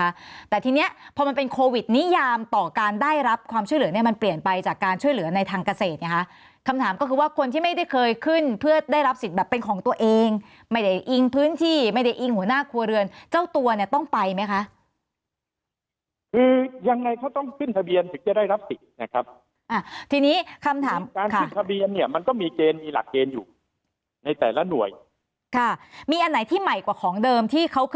ขึ้นทะเบียนตรวจสอบความถูกต้องนะคือขึ้นทะเบียนตรวจสอบความถูกต้องนะคือขึ้นทะเบียนตรวจสอบความถูกต้องนะคือขึ้นทะเบียนตรวจสอบความถูกต้องนะคือขึ้นทะเบียนตรวจสอบความถูกต้องนะคือขึ้นทะเบียนตรวจสอบความถูกต้องนะคือขึ้นทะเบียนตรวจสอบความถูกต้องนะคือขึ้น